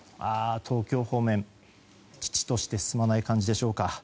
東京方面、遅々として進まない感じでしょうか。